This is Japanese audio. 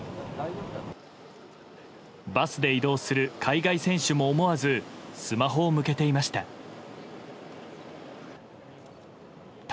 バスで移動する海外選手も思わずスマホを向けていました。